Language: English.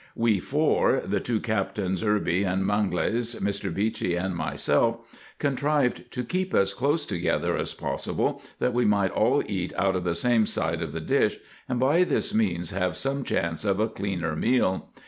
We four, the two Captains Irby and Mangles, Mr. Beechy, and myself, contrived to keep as close together as possible, that we might all eat out of the same side of the dish, and by this means have some chance of a cleaner meal.